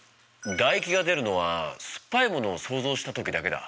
だ液が出るのは酸っぱいものを想像した時だけだ。